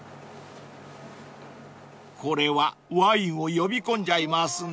［これはワインを呼び込んじゃいますね］